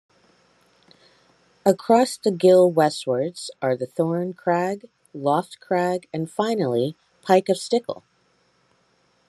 Across the Ghyll westwards are Thorn Crag, Loft Crag and finally Pike of Stickle.